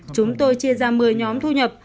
chúng tôi chia ra một mươi nhóm thu nhập